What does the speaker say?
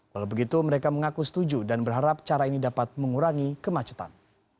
walau begitu mereka mengaku setuju dan berharap cara ini dapat mengurangi kemacetan